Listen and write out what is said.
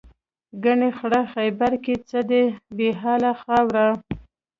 ګنې خړ خیبر کې څه دي بې له خاورو.